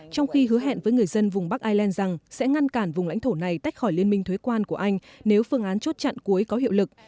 trong khi hứa hẹn với người dân vùng bắc ireland rằng sẽ ngăn cản vùng lãnh thổ này tách khỏi liên minh thuế quan của anh nếu phương án chốt chặn cuối có hiệu lực